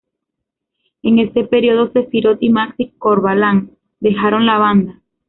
En este período, Sefirot y Maxi Corbalán dejaron la banda.